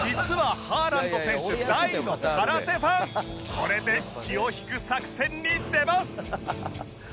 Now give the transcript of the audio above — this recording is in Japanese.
これで気を引く作戦に出ます！